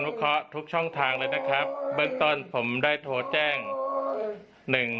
เคราะห์ทุกช่องทางเลยนะครับเบื้องต้นผมได้โทรแจ้งหนึ่ง